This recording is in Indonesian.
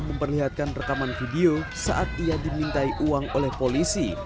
memperlihatkan rekaman video saat ia dimintai uang oleh polisi